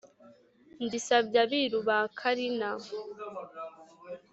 Ndisabye Abiru ba Kalina